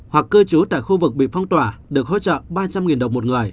hoặc cư trú tại khu vực bị phong tỏa được hỗ trợ ba trăm linh đồng một người